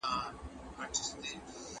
علي احمد خرم ووژل شو.